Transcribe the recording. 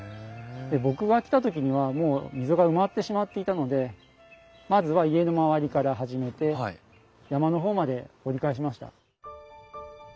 僕が来た時にはもう溝が埋まってしまっていたのでまずは家のまわりから始めて山の方まで掘り返しました。